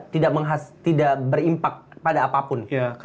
tidak berimpak pada apapun